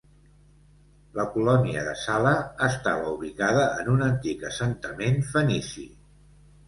La colònia de Sala estava ubicada en un antic assentament fenici.